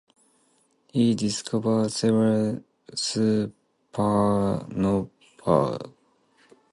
He discovered several supernovae.